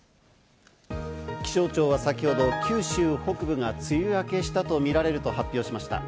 気象庁は先ほど九州北部が梅雨明けしたとみられると発表しました。